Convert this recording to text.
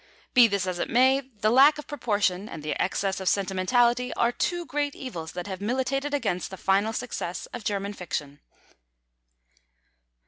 Be this as it may, the lack of proportion and the excess of sentimentality are two great evils that have militated against the final success of German fiction.